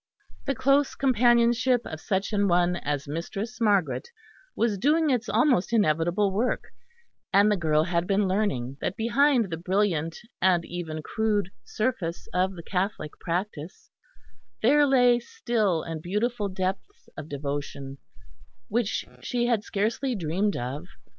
The close companionship of such an one as Mistress Margaret was doing its almost inevitable work; and the girl had been learning that behind the brilliant and even crude surface of the Catholic practice, there lay still and beautiful depths of devotion which she had scarcely dreamed of.